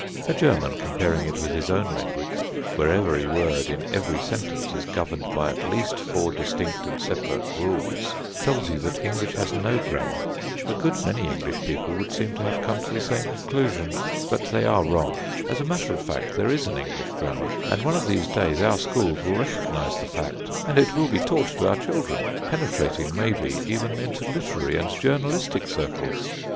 A German, comparing it with his own language, where every word in every sentence is governed by at least four distinct and separate rules, tells you that English has no grammar. A good many English people would seem to have come to the same conclusion; but they are wrong. As a matter of fact, there is an English grammar, and one of these days our schools will recognise the fact, and it will be taught to our children, penetrating maybe even into literary and journalistic circles.